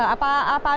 apa ada mungkin